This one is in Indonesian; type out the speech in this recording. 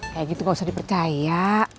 kayak gitu gak usah dipercaya